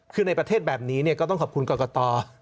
คือในประเทศแบบนี้ก็ต้องขอบคุณกรกต